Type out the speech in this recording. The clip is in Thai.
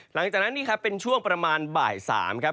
หลังจากนั้นเป็นช่วงประมาณบ่ายสามนะครับ